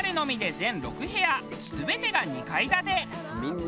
全てが２階建て。